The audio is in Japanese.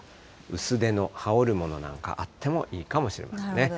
薄手の羽織るものなんかあってもいいかもしれませんね。